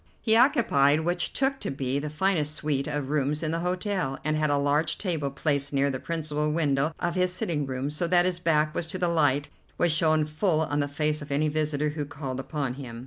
He occupied what I took to be the finest suite of rooms in the hotel, and had a large table placed near the principal window of his sitting room, so that his back was to the light, which shone full on the face of any visitor who called upon him.